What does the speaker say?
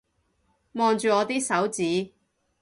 望住我啲手指